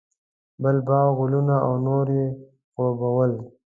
بل باغ، ګلونه او نور یې خړوبول.